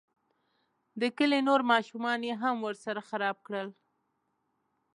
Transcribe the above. د کلي نور ماشومان یې هم ورسره خراب کړل.